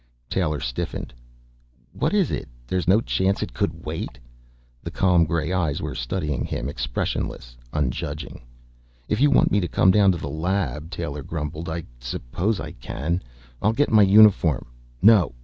Taylor stiffened. "What is it? There's no chance it could wait?" The calm gray eyes were studying him, expressionless, unjudging. "If you want me to come down to the lab," Taylor grumbled, "I suppose I can. I'll get my uniform " "No.